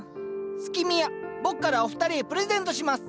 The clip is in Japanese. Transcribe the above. スキミア僕からお二人へプレゼントします。